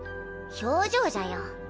表情じゃよ